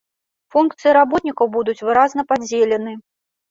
Функцыі работнікаў будуць выразна падзелены.